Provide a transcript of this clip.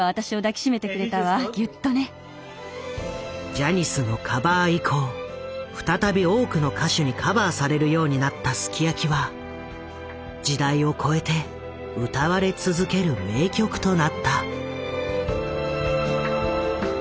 ジャニスのカバー以降再び多くの歌手にカバーされるようになった「ＳＵＫＩＹＡＫＩ」は時代を超えて歌われ続ける名曲となった。